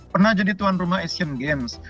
pernah jadi tuan rumah asian games